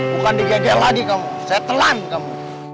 bukan digedel lagi kamu saya telan kamu